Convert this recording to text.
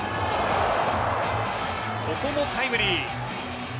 ここもタイムリー！